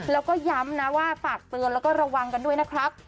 แล้วก็ย้ำนะว่าฝากเตือนแล้วก็ระวังกันด้วยนะครับ